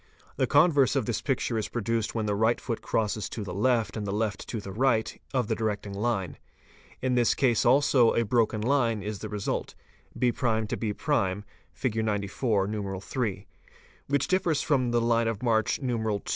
The converse of this picture is produced when the right foot crosses to the left and the left to the right of the directing line. In this case °— also a broken line is the result b'b' (Fig. 94, I11.), which differs from the line of march IT.